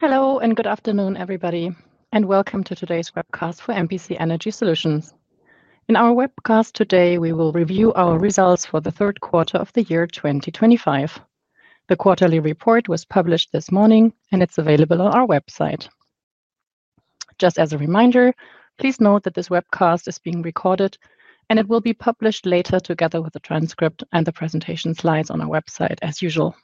Hello and good afternoon, everybody, and welcome to today's webcast for MPC Energy Solutions. In our webcast today, we will review our results for the third quarter of the year 2025. The quarterly report was published this morning, and it's available on our website. Just as a reminder, please note that this webcast is being recorded, and it will be published later together with the transcript and the presentation slides on our website, as usual.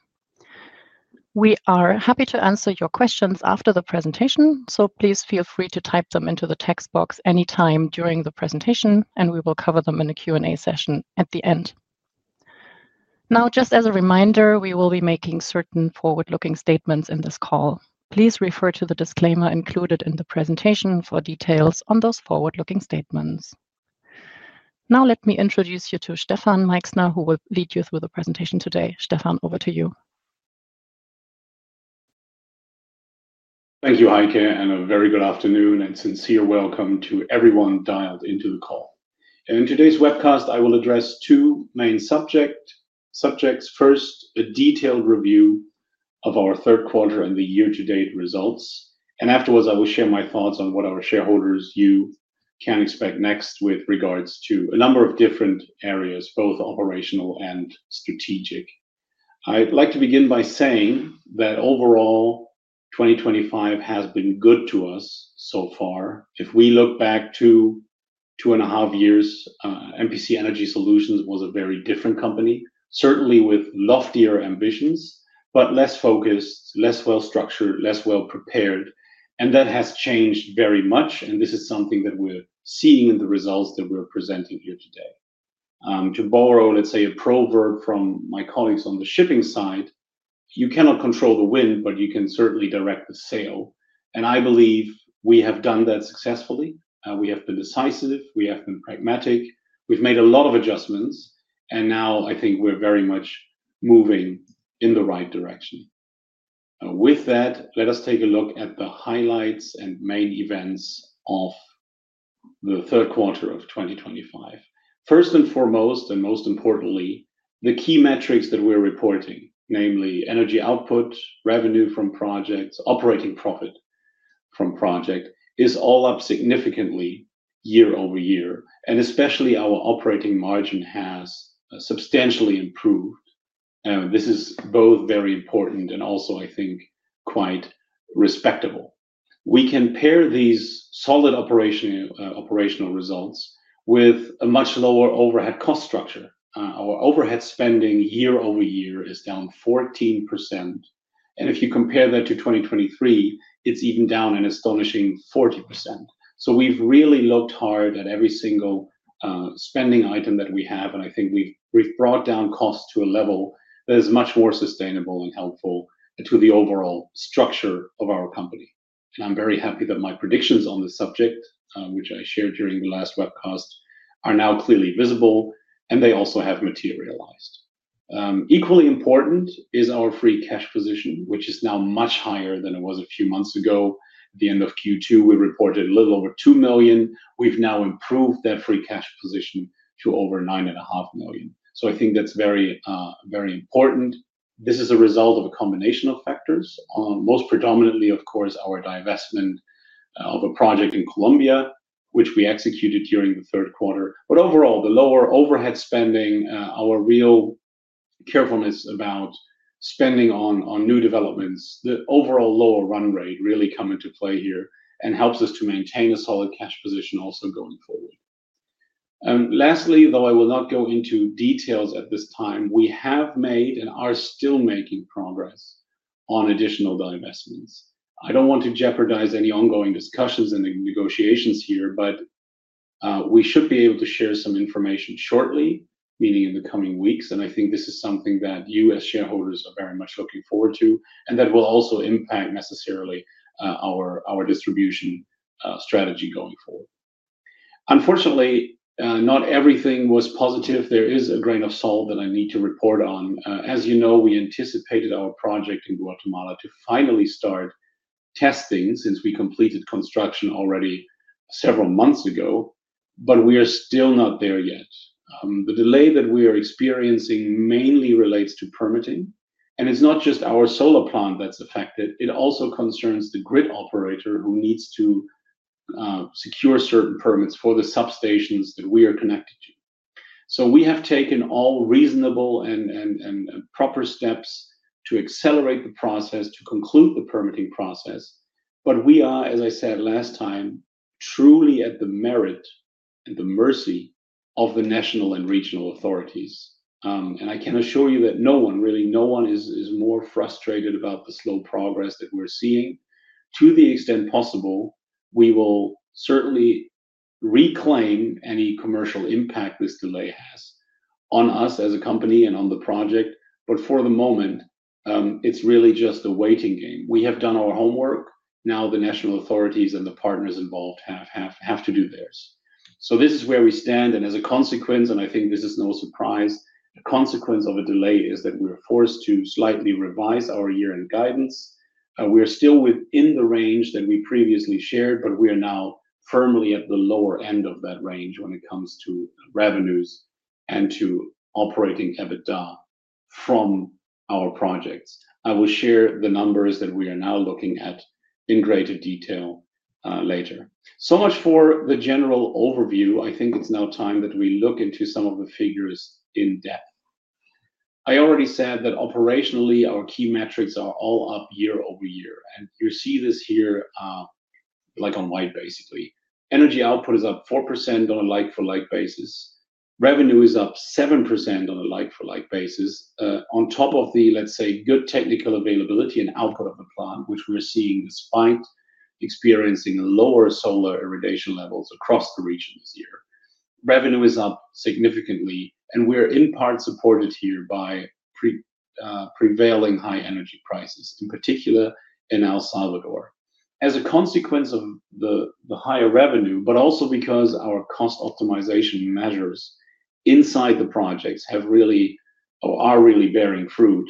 We are happy to answer your questions after the presentation, so please feel free to type them into the text box anytime during the presentation, and we will cover them in a Q&A session at the end. Now, just as a reminder, we will be making certain forward-looking statements in this call. Please refer to the disclaimer included in the presentation for details on those forward-looking statements. Now, let me introduce you to Stefan Meichsner, who will lead you through the presentation today. Stefan, over to you. Thank you, Heike, and a very good afternoon and sincere welcome to everyone dialed into the call. In today's webcast, I will address two main subjects. First, a detailed review of our third quarter and the year-to-date results, and afterwards, I will share my thoughts on what our shareholders, you, can expect next with regards to a number of different areas, both operational and strategic. I'd like to begin by saying that overall, 2025 has been good to us so far. If we look back to two and a half years, MPC Energy Solutions was a very different company, certainly with loftier ambitions, but less focused, less well-structured, less well-prepared, and that has changed very much, and this is something that we're seeing in the results that we're presenting here today. To borrow, let's say, a proverb from my colleagues on the shipping side, you cannot control the wind, but you can certainly direct the sail, and I believe we have done that successfully. We have been decisive. We have been pragmatic. We've made a lot of adjustments, and now I think we're very much moving in the right direction. With that, let us take a look at the highlights and main events of the third quarter of 2025. First and foremost, and most importantly, the key metrics that we're reporting, namely energy output, revenue from projects, operating profit from projects, is all up significantly year over year, and especially our operating margin has substantially improved. This is both very important and also, I think, quite respectable. We can pair these solid operational results with a much lower overhead cost structure. Our overhead spending year over year is down 14%. If you compare that to 2023, it's even down an astonishing 40%. We've really looked hard at every single spending item that we have, and I think we've brought down costs to a level that is much more sustainable and helpful to the overall structure of our company. I'm very happy that my predictions on the subject, which I shared during the last webcast, are now clearly visible, and they also have materialized. Equally important is our free cash position, which is now much higher than it was a few months ago. At the end of Q2, we reported a little over $2 million. We've now improved that free cash position to over $9.5 million. I think that's very important. This is a result of a combination of factors, most predominantly, of course, our divestment of a project in Colombia, which we executed during the third quarter. Overall, the lower overhead spending, our real carefulness about spending on new developments, the overall lower run rate really come into play here and helps us to maintain a solid cash position also going forward. Lastly, though I will not go into details at this time, we have made and are still making progress on additional divestments. I do not want to jeopardize any ongoing discussions and negotiations here, but we should be able to share some information shortly, meaning in the coming weeks, and I think this is something that you, as shareholders, are very much looking forward to, and that will also impact necessarily our distribution strategy going forward. Unfortunately, not everything was positive. There is a grain of salt that I need to report on. As you know, we anticipated our project in Guatemala to finally start testing since we completed construction already several months ago, but we are still not there yet. The delay that we are experiencing mainly relates to permitting, and it's not just our solar plant that's affected. It also concerns the grid operator who needs to secure certain permits for the substations that we are connected to. We have taken all reasonable and proper steps to accelerate the process, to conclude the permitting process. As I said last time, we are truly at the merit and the mercy of the national and regional authorities. I can assure you that no one, really no one, is more frustrated about the slow progress that we're seeing. To the extent possible, we will certainly. Reclaim any commercial impact this delay has on us as a company and on the project, but for the moment, it's really just a waiting game. We have done our homework. Now the national authorities and the partners involved have to do theirs. This is where we stand, and as a consequence, and I think this is no surprise, a consequence of a delay is that we were forced to slightly revise our year-end guidance. We are still within the range that we previously shared, but we are now firmly at the lower end of that range when it comes to revenues and to operating EBITDA from our projects. I will share the numbers that we are now looking at in greater detail later. So much for the general overview. I think it's now time that we look into some of the figures in depth. I already said that operationally, our key metrics are all up year over year, and you see this here. Like on white, basically. Energy output is up 4% on a like-for-like basis. Revenue is up 7% on a like-for-like basis. On top of the, let's say, good technical availability and output of the plant, which we're seeing despite experiencing lower solar irradiation levels across the region this year, revenue is up significantly, and we are in part supported here by prevailing high energy prices, in particular in El Salvador. As a consequence of the higher revenue, but also because our cost optimization measures inside the projects have really, or are really bearing fruit,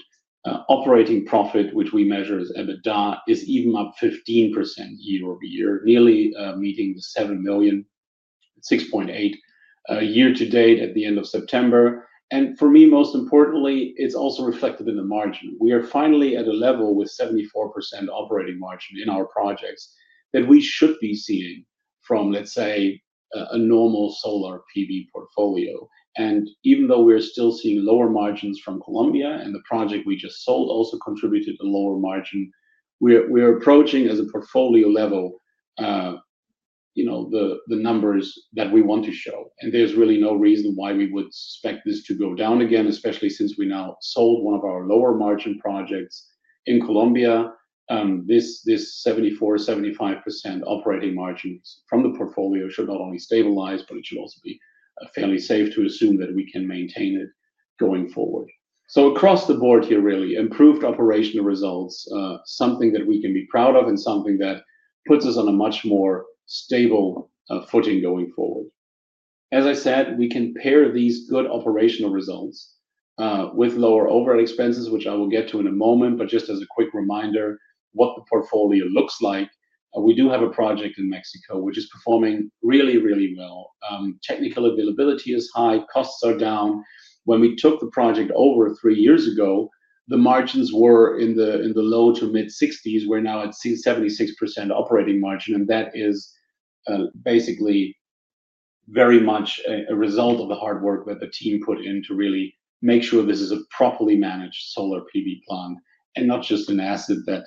operating profit, which we measure as EBITDA, is even up 15% year over year, nearly meeting the $7 million, $6.8 million, year-to-date at the end of September. For me, most importantly, it is also reflected in the margin. We are finally at a level with 74% operating margin in our projects that we should be seeing from, let's say, a normal solar PV portfolio. Even though we are still seeing lower margins from Colombia and the project we just sold also contributed a lower margin, we are approaching, as a portfolio level, the numbers that we want to show. There is really no reason why we would expect this to go down again, especially since we now sold one of our lower margin projects in Colombia. This 74-75% operating margin from the portfolio should not only stabilize, but it should also be fairly safe to assume that we can maintain it going forward. Across the board here, really, improved operational results, something that we can be proud of and something that puts us on a much more stable footing going forward. As I said, we can pair these good operational results with lower overhead expenses, which I will get to in a moment, but just as a quick reminder what the portfolio looks like, we do have a project in Mexico which is performing really, really well. Technical availability is high. Costs are down. When we took the project over three years ago, the margins were in the low to mid-60s. We're now at 76% operating margin, and that is. Basically. Very much a result of the hard work that the team put in to really make sure this is a properly managed solar PV plant and not just an asset that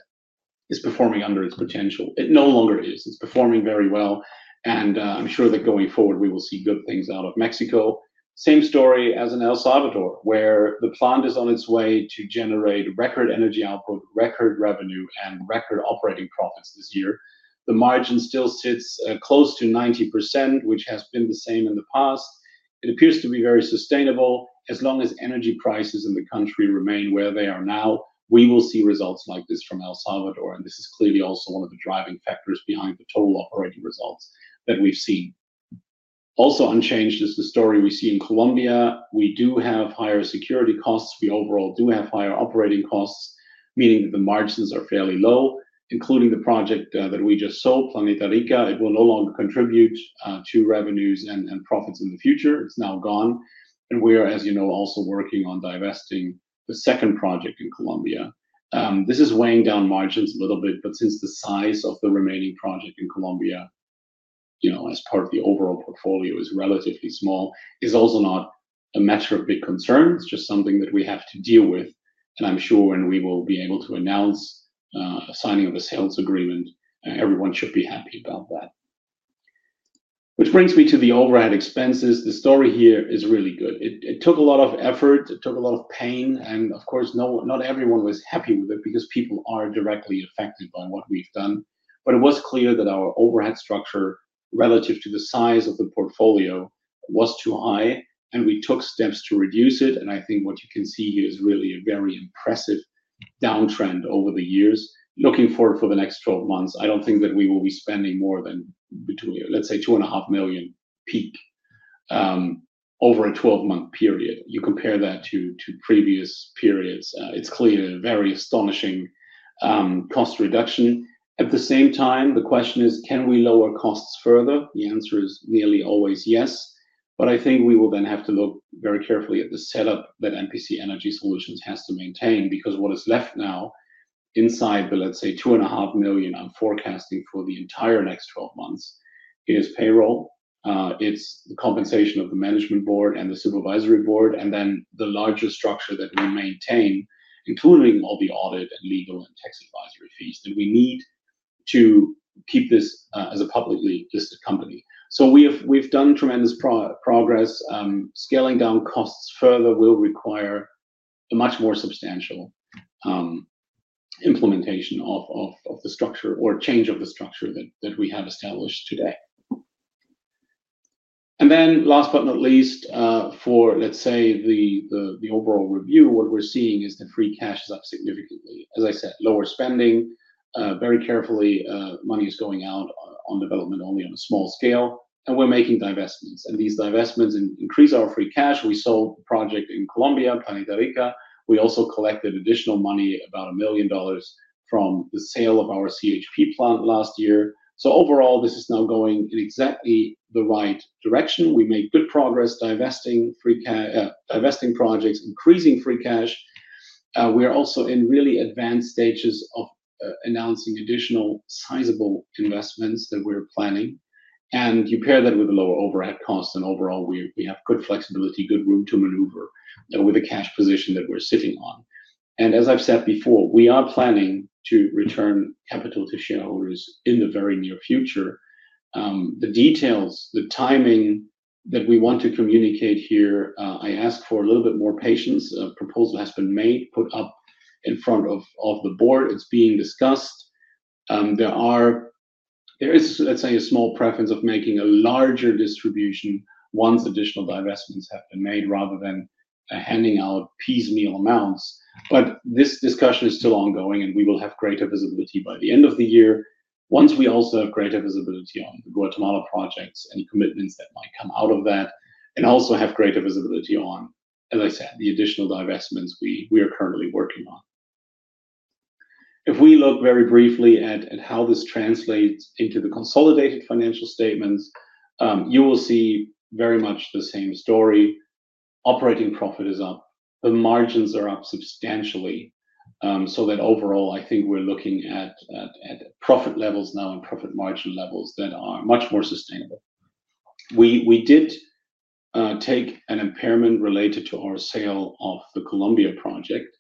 is performing under its potential. It no longer is. It's performing very well, and I'm sure that going forward, we will see good things out of Mexico. Same story as in El Salvador, where the plant is on its way to generate record energy output, record revenue, and record operating profits this year. The margin still sits close to 90%, which has been the same in the past. It appears to be very sustainable. As long as energy prices in the country remain where they are now, we will see results like this from El Salvador, and this is clearly also one of the driving factors behind the total operating results that we've seen. Also unchanged is the story we see in Colombia. We do have higher security costs. We overall do have higher operating costs, meaning that the margins are fairly low, including the project that we just sold, Planeta Rica. It will no longer contribute to revenues and profits in the future. It's now gone. We are, as you know, also working on divesting the second project in Colombia. This is weighing down margins a little bit, but since the size of the remaining project in Colombia as part of the overall portfolio is relatively small, it is also not a matter of big concern. It is just something that we have to deal with, and I am sure when we will be able to announce signing of a sales agreement, everyone should be happy about that. This brings me to the overhead expenses. The story here is really good. It took a lot of effort. It took a lot of pain, and of course, not everyone was happy with it because people are directly affected by what we have done. It was clear that our overhead structure, relative to the size of the portfolio, was too high, and we took steps to reduce it. I think what you can see here is really a very impressive downtrend over the years. Looking forward for the next 12 months, I do not think that we will be spending more than, let's say, $2.5 million peak over a 12-month period. You compare that to previous periods, it is clearly a very astonishing cost reduction. At the same time, the question is, can we lower costs further? The answer is nearly always yes, but I think we will then have to look very carefully at the setup that MPC Energy Solutions has to maintain because what is left now inside the, let's say, $2.5 million I am forecasting for the entire next 12 months, is payroll. It's the compensation of the management board and the supervisory board, and then the larger structure that we maintain, including all the audit and legal and tax advisory fees that we need to keep this as a publicly listed company. We have done tremendous progress. Scaling down costs further will require a much more substantial implementation of the structure or change of the structure that we have established today. Last but not least, for, let's say, the overall review, what we're seeing is that free cash is up significantly. As I said, lower spending, very carefully, money is going out on development only on a small scale, and we're making divestments. These divestments increase our free cash. We sold the project in Colombia, Planeta Rica. We also collected additional money, about $1 million, from the sale of our CHP plant last year. Overall, this is now going in exactly the right direction. We made good progress divesting projects, increasing free cash. We are also in really advanced stages of announcing additional sizable investments that we're planning. You pair that with the lower overhead costs, and overall, we have good flexibility, good room to maneuver with the cash position that we're sitting on. As I've said before, we are planning to return capital to shareholders in the very near future. The details, the timing that we want to communicate here, I ask for a little bit more patience. A proposal has been made, put up in front of the board. It's being discussed. There is, let's say, a small preference of making a larger distribution once additional divestments have been made rather than handing out piecemeal amounts. This discussion is still ongoing, and we will have greater visibility by the end of the year, once we also have greater visibility on the Guatemala projects and commitments that might come out of that, and also have greater visibility on, as I said, the additional divestments we are currently working on. If we look very briefly at how this translates into the consolidated financial statements, you will see very much the same story. Operating profit is up. The margins are up substantially. Overall, I think we're looking at profit levels now and profit margin levels that are much more sustainable. We did take an impairment related to our sale of the Colombia project,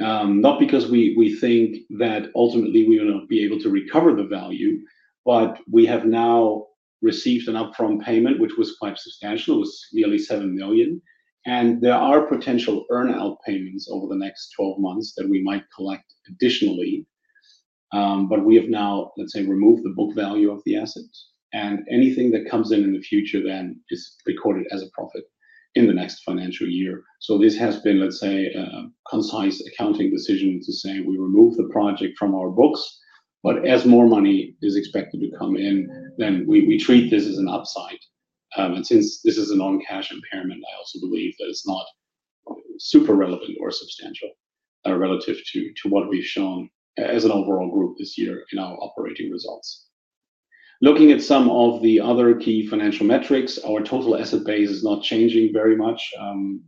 not because we think that ultimately we will not be able to recover the value, but we have now received an upfront payment, which was quite substantial. It was nearly $7 million. There are potential earn-out payments over the next 12 months that we might collect additionally. We have now, let's say, removed the book value of the assets, and anything that comes in in the future then is recorded as a profit in the next financial year. This has been, let's say, a concise accounting decision to say we remove the project from our books, but as more money is expected to come in, we treat this as an upside. Since this is a non-cash impairment, I also believe that it's not super relevant or substantial relative to what we've shown as an overall group this year in our operating results. Looking at some of the other key financial metrics, our total asset base is not changing very much.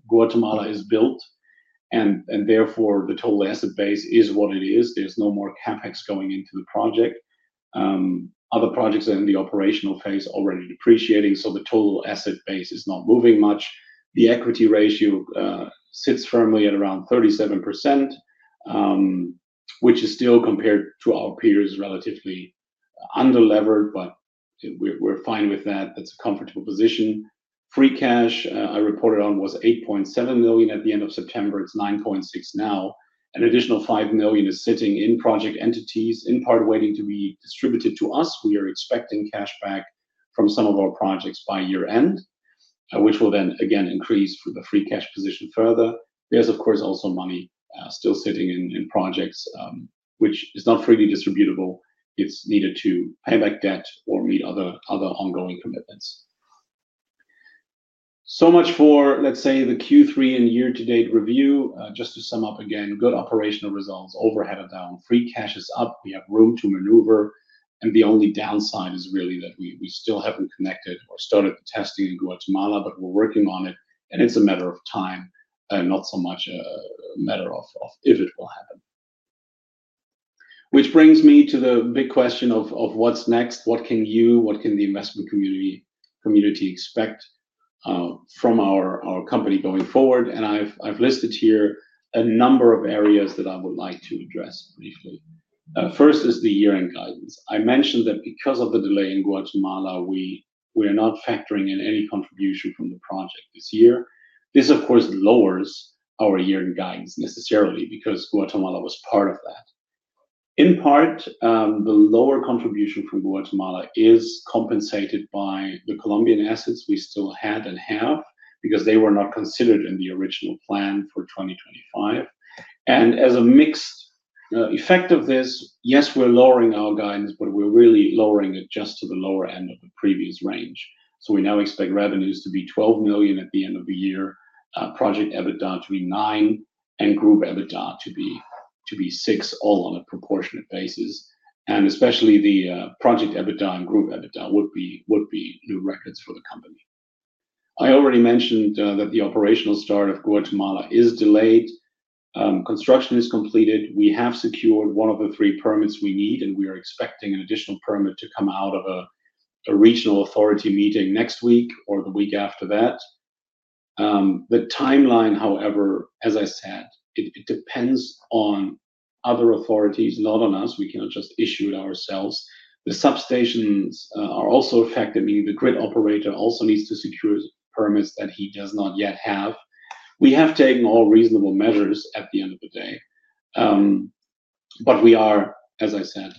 Guatemala is built, and therefore the total asset base is what it is. There's no more CapEx going into the project. Other projects are in the operational phase already depreciating, so the total asset base is not moving much. The equity ratio sits firmly at around 37%, which is still, compared to our peers, relatively under-levered, but we're fine with that. That's a comfortable position. Free cash I reported on was $8.7 million at the end of September. It's $9.6 million now. An additional $5 million is sitting in project entities, in part waiting to be distributed to us. We are expecting cash back from some of our projects by year-end, which will then, again, increase the free cash position further. There's, of course, also money still sitting in projects which is not freely distributable. It's needed to pay back debt or meet other ongoing commitments. So much for, let's say, the Q3 and year-to-date review. Just to sum up again, good operational results, overhead are down, free cash is up, we have room to maneuver, and the only downside is really that we still haven't connected or started the testing in Guatemala, but we're working on it, and it's a matter of time, not so much a matter of if it will happen. Which brings me to the big question of what's next. What can you, what can the investment community expect from our company going forward? I've listed here a number of areas that I would like to address briefly. First is the year-end guidance. I mentioned that because of the delay in Guatemala, we are not factoring in any contribution from the project this year. This, of course, lowers our year-end guidance necessarily because Guatemala was part of that. In part, the lower contribution from Guatemala is compensated by the Colombian assets we still had and have because they were not considered in the original plan for 2025. As a mixed effect of this, yes, we're lowering our guidance, but we're really lowering it just to the lower end of the previous range. We now expect revenues to be $12 million at the end of the year, project EBITDA to be $9 million, and group EBITDA to be $6 million, all on a proportionate basis. Especially the project EBITDA and group EBITDA would be new records for the company. I already mentioned that the operational start of Guatemala is delayed. Construction is completed. We have secured one of the three permits we need, and we are expecting an additional permit to come out of a regional authority meeting next week or the week after that. The timeline, however, as I said, it depends on other authorities, not on us. We cannot just issue it ourselves. The substations are also affected, meaning the grid operator also needs to secure permits that he does not yet have. We have taken all reasonable measures at the end of the day. We are, as I said,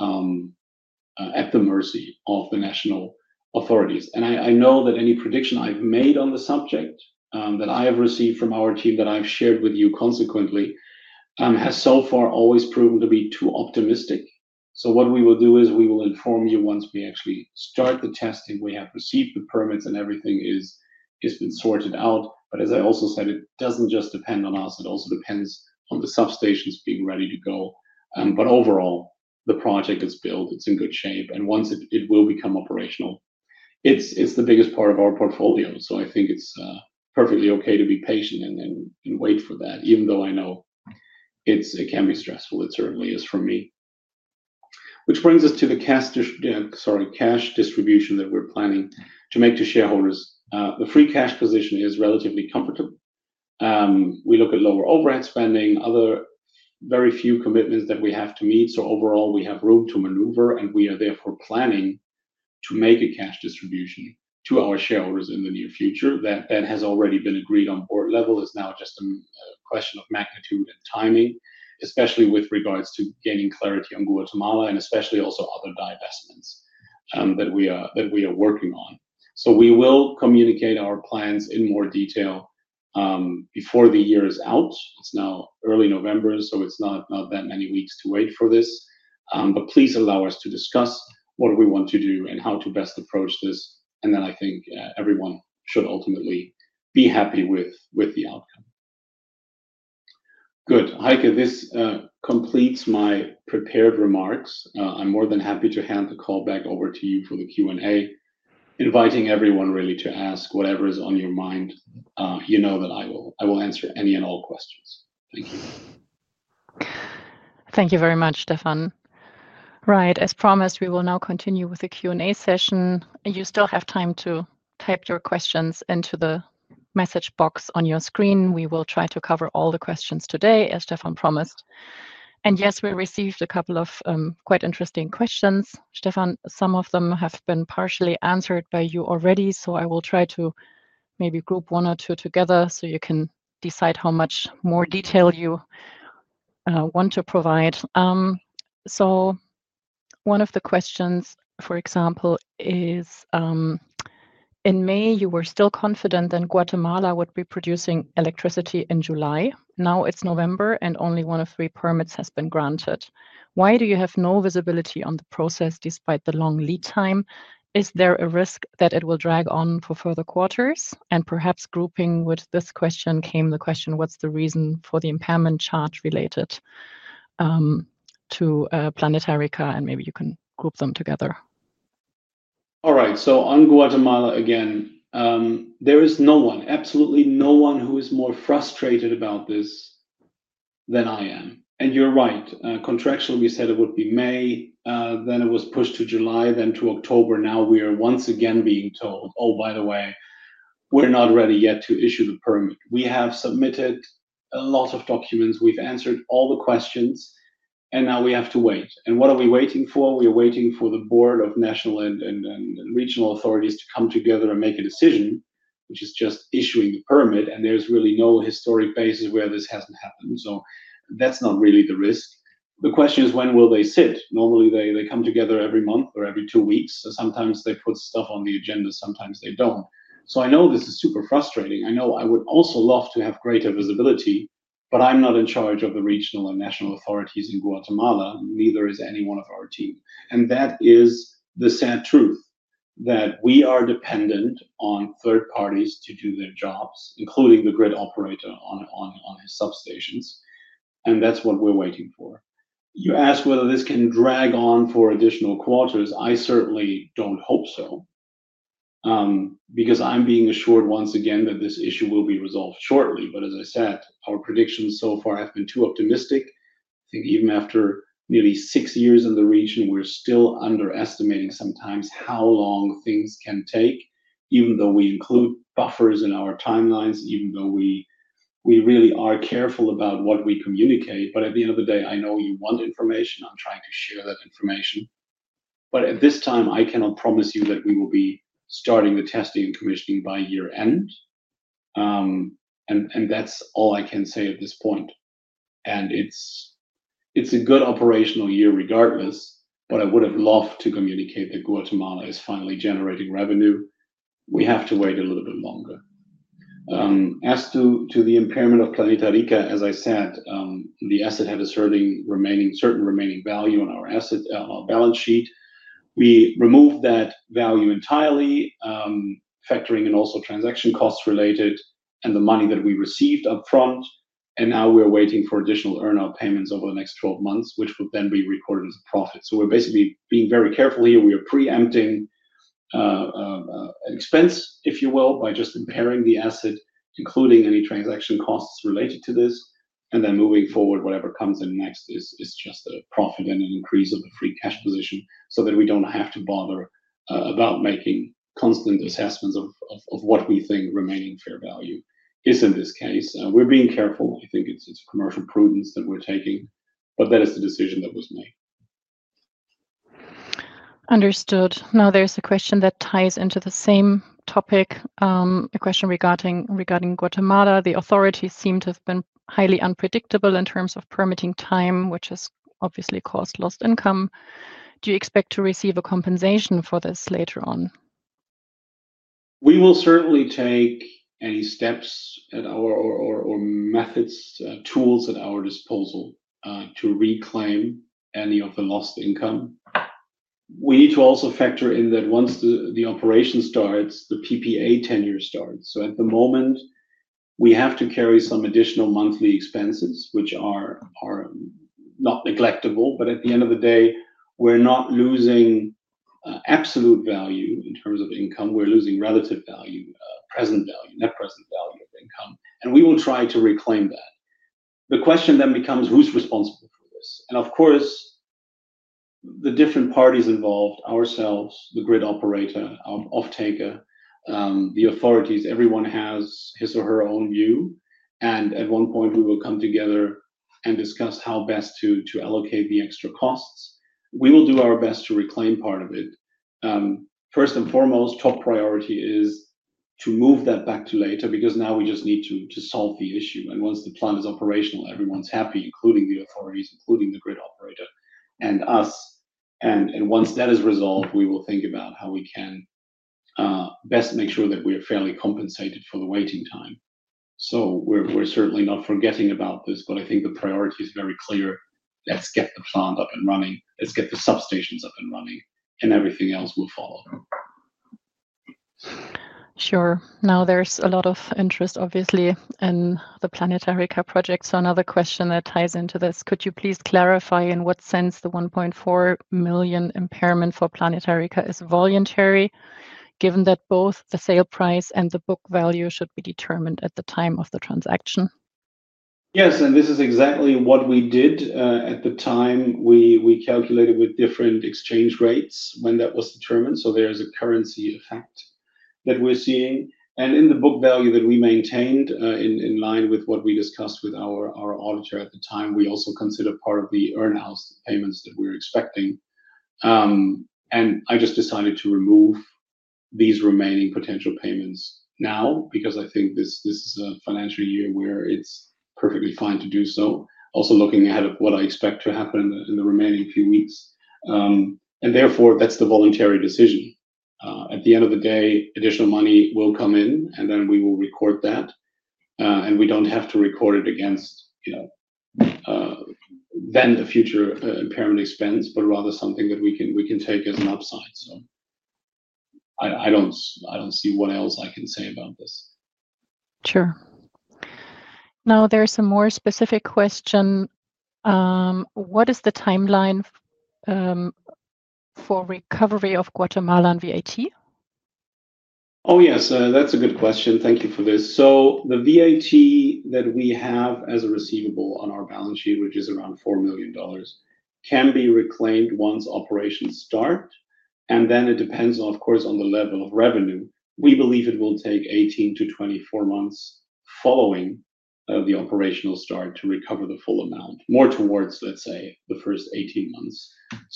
at the mercy of the national authorities. I know that any prediction I have made on the subject that I have received from our team that I have shared with you consequently has so far always proven to be too optimistic. What we will do is we will inform you once we actually start the testing, we have received the permits, and everything has been sorted out. As I also said, it does not just depend on us. It also depends on the substations being ready to go. Overall, the project is built. It's in good shape. Once it will become operational, it's the biggest part of our portfolio. I think it's perfectly okay to be patient and wait for that, even though I know it can be stressful. It certainly is for me. Which brings us to the cash distribution that we're planning to make to shareholders. The free cash position is relatively comfortable. We look at lower overhead spending, other very few commitments that we have to meet. Overall, we have room to maneuver, and we are therefore planning to make a cash distribution to our shareholders in the near future. That has already been agreed on board level. It's now just a question of magnitude and timing, especially with regards to gaining clarity on Guatemala and especially also other divestments that we are working on. We will communicate our plans in more detail before the year is out. It is now early November, so it is not that many weeks to wait for this. Please allow us to discuss what we want to do and how to best approach this. I think everyone should ultimately be happy with the outcome. Good. Heike, this completes my prepared remarks. I am more than happy to hand the call back over to you for the Q&A, inviting everyone really to ask whatever is on your mind. You know that I will answer any and all questions. Thank you. Thank you very much, Stefan. Right. As promised, we will now continue with the Q&A session. You still have time to type your questions into the message box on your screen. We will try to cover all the questions today, as Stefan promised. Yes, we received a couple of quite interesting questions. Stefan, some of them have been partially answered by you already, so I will try to maybe group one or two together so you can decide how much more detail you want to provide. One of the questions, for example, is: In May, you were still confident that Guatemala would be producing electricity in July. Now it is November, and only one of three permits has been granted. Why do you have no visibility on the process despite the long lead time? Is there a risk that it will drag on for further quarters? Perhaps grouping with this question came the question, what is the reason for the impairment charge related to Planeta Rica? Maybe you can group them together. All right. On Guatemala, again, there is no one, absolutely no one, who is more frustrated about this. Than I am. You're right. Contractually, we said it would be May, then it was pushed to July, then to October. Now we are once again being told, oh, by the way, we're not ready yet to issue the permit. We have submitted a lot of documents. We've answered all the questions, and now we have to wait. What are we waiting for? We are waiting for the board of national and regional authorities to come together and make a decision, which is just issuing the permit. There's really no historic basis where this hasn't happened. That's not really the risk. The question is, when will they sit? Normally, they come together every month or every two weeks. Sometimes they put stuff on the agenda. Sometimes they don't. I know this is super frustrating. I know I would also love to have greater visibility, but I'm not in charge of the regional and national authorities in Guatemala. Neither is anyone of our team. That is the sad truth that we are dependent on third parties to do their jobs, including the grid operator on his substations. That is what we're waiting for. You ask whether this can drag on for additional quarters. I certainly don't hope so. I'm being assured once again that this issue will be resolved shortly. As I said, our predictions so far have been too optimistic. I think even after nearly six years in the region, we're still underestimating sometimes how long things can take, even though we include buffers in our timelines, even though we really are careful about what we communicate. At the end of the day, I know you want information. I'm trying to share that information. At this time, I cannot promise you that we will be starting the testing and commissioning by year-end. That is all I can say at this point. It is a good operational year regardless, but I would have loved to communicate that Guatemala is finally generating revenue. We have to wait a little bit longer. As to the impairment of Planeta Rica, as I said, the asset had a certain remaining value on our balance sheet. We removed that value entirely, factoring in also transaction costs related and the money that we received upfront. Now we're waiting for additional earn-out payments over the next 12 months, which will then be recorded as a profit. We are basically being very careful here. We are preempting an expense, if you will, by just impairing the asset, including any transaction costs related to this. Then moving forward, whatever comes in next is just a profit and an increase of the free cash position so that we do not have to bother about making constant assessments of what we think remaining fair value is in this case. We are being careful. I think it is commercial prudence that we are taking, but that is the decision that was made. Understood. Now, there is a question that ties into the same topic, a question regarding Guatemala. The authorities seem to have been highly unpredictable in terms of permitting time, which has obviously caused lost income. Do you expect to receive a compensation for this later on? We will certainly take any steps or methods, tools at our disposal to reclaim any of the lost income. We need to also factor in that once the operation starts, the PPA tenure starts. At the moment, we have to carry some additional monthly expenses, which are not neglectable, but at the end of the day, we're not losing absolute value in terms of income. We're losing relative value, present value, net present value of income. We will try to reclaim that. The question then becomes, who's responsible for this? Of course, the different parties involved, ourselves, the grid operator, our off-taker, the authorities, everyone has his or her own view. At one point, we will come together and discuss how best to allocate the extra costs. We will do our best to reclaim part of it. First and foremost, top priority is to move that back to later because now we just need to solve the issue. Once the plan is operational, everyone's happy, including the authorities, including the grid operator and us. Once that is resolved, we will think about how we can best make sure that we are fairly compensated for the waiting time. We are certainly not forgetting about this, but I think the priority is very clear. Let's get the plant up and running. Let's get the substations up and running, and everything else will follow. Sure. Now, there is a lot of interest, obviously, in the Planeta Rica project. Another question that ties into this: Could you please clarify in what sense the $1.4 million impairment for Planeta Rica is voluntary, given that both the sale price and the book value should be determined at the time of the transaction? Yes. This is exactly what we did at the time. We calculated with different exchange rates when that was determined. There is a currency effect that we are seeing. In the book value that we maintained, in line with what we discussed with our auditor at the time, we also considered part of the earn-out payments that we were expecting. I just decided to remove these remaining potential payments now because I think this is a financial year where it's perfectly fine to do so, also looking ahead at what I expect to happen in the remaining few weeks. Therefore, that's the voluntary decision. At the end of the day, additional money will come in, and then we will record that. We don't have to record it against the future impairment expense, but rather something that we can take as an upside. I don't see what else I can say about this. Sure. Now, there's a more specific question. What is the timeline for recovery of Guatemala and VAT? Oh, yes. That's a good question. Thank you for this. The VAT that we have as a receivable on our balance sheet, which is around $4 million, can be reclaimed once operations start. It depends, of course, on the level of revenue. We believe it will take 18-24 months following the operational start to recover the full amount, more towards, let's say, the first 18 months.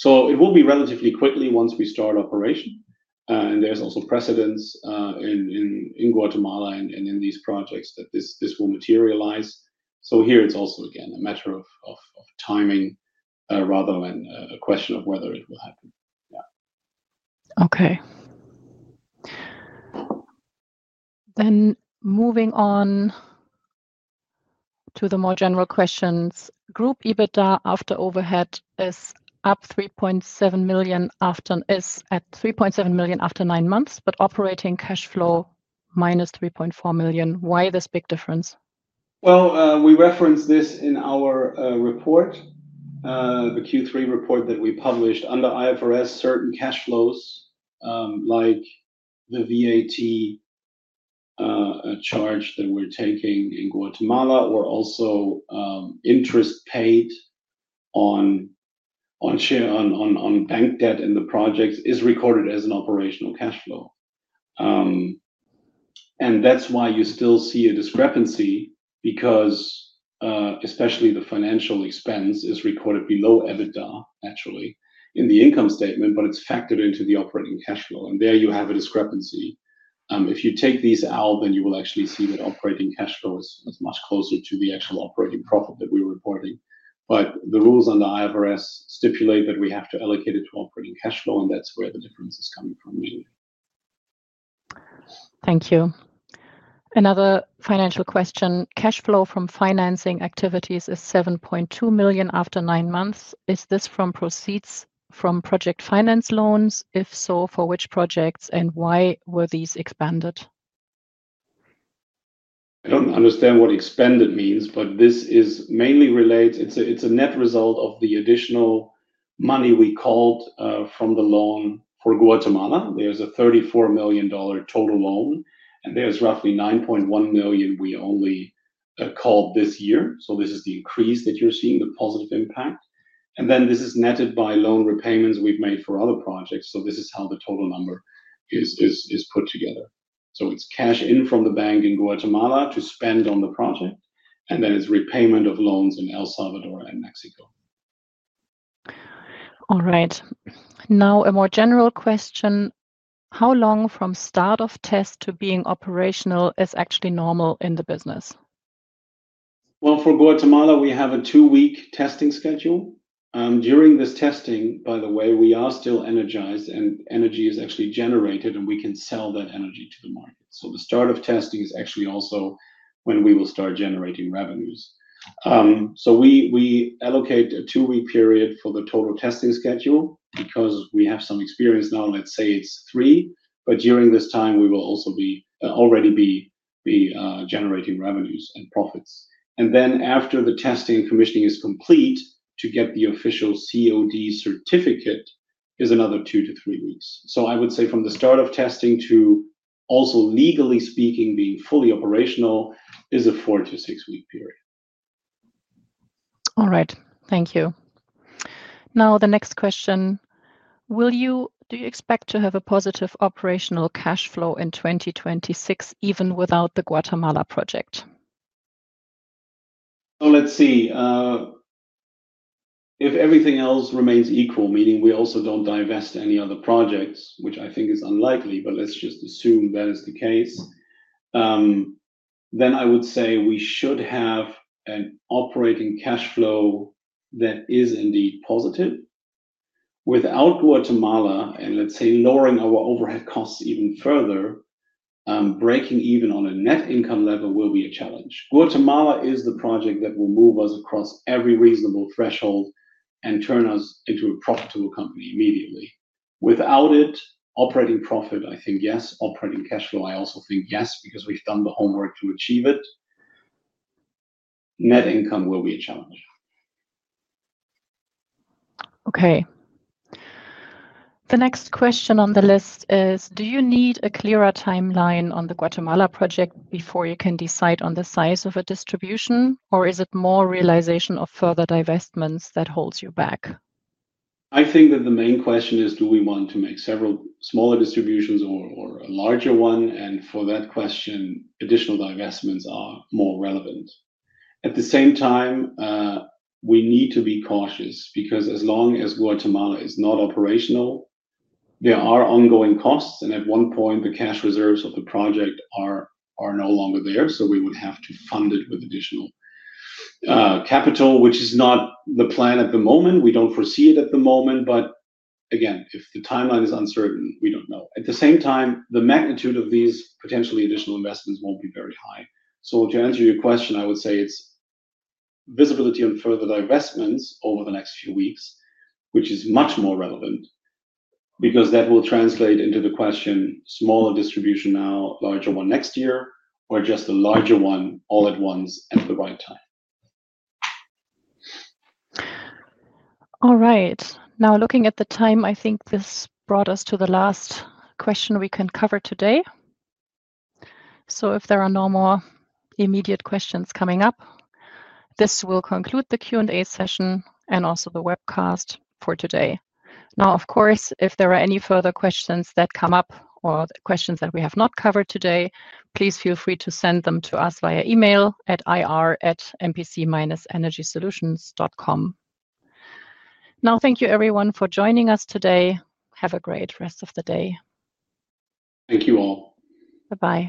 It will be relatively quickly once we start operation. There is also precedence in Guatemala and in these projects that this will materialize. Here, it's also, again, a matter of timing rather than a question of whether it will happen. Yeah. Okay. Moving on to the more general questions. Group EBITDA after overhead is at $3.7 million after nine months, but operating cash flow is minus $3.4 million. Why this big difference? We referenced this in our report. The Q3 report that we published under IFRS, certain cash flows, like the VAT charge that we're taking in Guatemala, or also interest paid on bank debt in the projects, is recorded as an operational cash flow. That is why you still see a discrepancy, because especially the financial expense is recorded below EBITDA, actually, in the income statement, but it's factored into the operating cash flow. There you have a discrepancy. If you take these out, then you will actually see that operating cash flow is much closer to the actual operating profit that we were reporting. The rules under IFRS stipulate that we have to allocate it to operating cash flow, and that's where the difference is coming from. Thank you. Another financial question. Cash flow from financing activities is $7.2 million after nine months. Is this from proceeds from project finance loans? If so, for which projects? Why were these expanded? I do not understand what expanded means, but this is mainly related. It is a net result of the additional money we called from the loan for Guatemala. There is a $34 million total loan, and there is roughly $9.1 million we only called this year. This is the increase that you are seeing, the positive impact. This is netted by loan repayments we have made for other projects. This is how the total number is put together. It is cash in from the bank in Guatemala to spend on the project, and then it is repayment of loans in El Salvador and Mexico. All right. Now, a more general question. How long from start of test to being operational is actually normal in the business? For Guatemala, we have a two-week testing schedule. During this testing, by the way, we are still energized, and energy is actually generated, and we can sell that energy to the market. The start of testing is actually also when we will start generating revenues. We allocate a two-week period for the total testing schedule because we have some experience now. Let's say it's three, but during this time, we will also already be generating revenues and profits. After the testing and commissioning is complete, to get the official COD certificate is another two to three weeks. I would say from the start of testing to also legally speaking, being fully operational, is a four- to six-week period. All right. Thank you. Now, the next question. Do you expect to have a positive operational cash flow in 2026, even without the Guatemala project? Let's see. If everything else remains equal, meaning we also do not divest any other projects, which I think is unlikely, but let's just assume that is the case. Then I would say we should have an operating cash flow that is indeed positive. Without Guatemala, and let's say lowering our overhead costs even further, breaking even on a net income level will be a challenge. Guatemala is the project that will move us across every reasonable threshold and turn us into a profitable company immediately. Without it, operating profit, I think yes. Operating cash flow, I also think yes, because we have done the homework to achieve it. Net income will be a challenge. Okay. The next question on the list is, do you need a clearer timeline on the Guatemala project before you can decide on the size of a distribution, or is it more realization of further divestments that holds you back? I think that the main question is, do we want to make several smaller distributions or a larger one? For that question, additional divestments are more relevant. At the same time, we need to be cautious because as long as Guatemala is not operational, there are ongoing costs, and at one point, the cash reserves of the project are no longer there. We would have to fund it with additional capital, which is not the plan at the moment. We do not foresee it at the moment. Again, if the timeline is uncertain, we do not know. At the same time, the magnitude of these potentially additional investments won't be very high. To answer your question, I would say it's visibility on further divestments over the next few weeks, which is much more relevant because that will translate into the question, smaller distribution now, larger one next year, or just a larger one all at once at the right time. All right. Now, looking at the time, I think this brought us to the last question we can cover today. If there are no more immediate questions coming up, this will conclude the Q&A session and also the webcast for today. Of course, if there are any further questions that come up or questions that we have not covered today, please feel free to send them to us via email at ir@mpc-energysolutions.com. Thank you, everyone, for joining us today. Have a great rest of the day. Thank you all. Bye-bye.